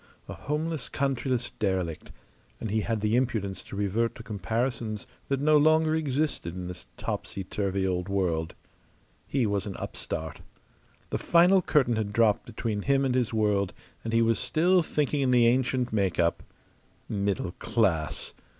A homeless, countryless derelict, and he had the impudence to revert to comparisons that no longer existed in this topsy turvy old world. He was an upstart. The final curtain had dropped between him and his world, and he was still thinking in the ancient make up. Middle class!